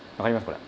これ。